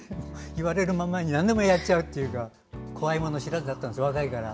いわれるままになんでもやっちゃうというか怖いもの知らずだったんです若いから。